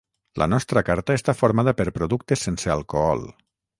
La nostra carta està formada per productes sense alcohol.